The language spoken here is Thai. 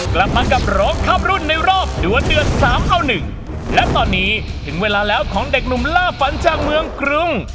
กลับมากับร้องข้ามรุ่นในรอบดัวเดือดสามเอาหนึ่งและตอนนี้ถึงเวลาแล้วของเด็กหนุ่มล่าฝันจากเมืองกรุง